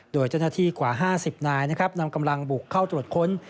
โดยเจ้าหน้าที่กว่า๕๐นายนะครับนำกำลังบุกเข้าตรวจค้น